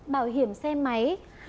bảo hiểm xe máy